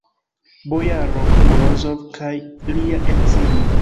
Bojaro Morozov kaj lia edzino.